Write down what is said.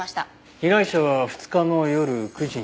被害者は２日の夜９時に。